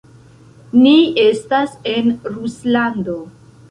Ni estas en Ruslando.